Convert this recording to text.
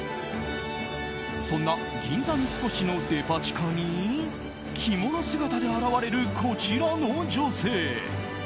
そんな銀座三越のデパ地下に着物姿で現れる、こちらの女性。